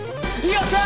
よっしゃ！